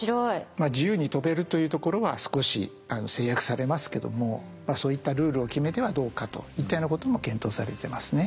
まあ自由に飛べるというところは少し制約されますけどもそういったルールを決めてはどうかといったようなことも検討されてますね。